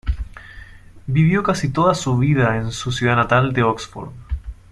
Vivió casi toda su vida en su ciudad natal de Oxford.